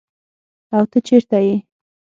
او ته چیرته ئي ؟